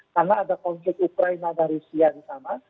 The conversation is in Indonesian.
karena ada konflik ukraina dari rusia yang sama